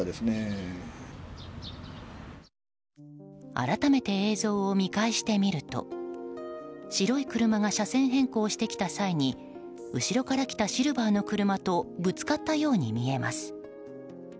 改めて映像を見返してみると白い車が車線変更してきた際に後ろから来たシルバーの車とぶつかったように見えます。